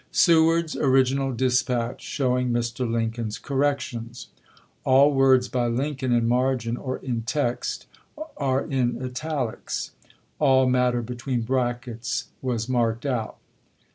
SEWABD'S original dispatch, showing MR. LINCOLN'S CORRECTIONS. [All words by Lincoln in margin or in text are in italies. All matter between brackets was marked out.